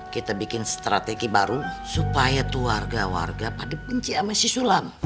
kita bikin strategi baru supaya keluarga warga pada benci sama si sulam